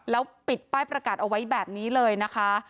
แล้วปิดป้ายประกาศเอาไว้แบบนี้เลยนะคะ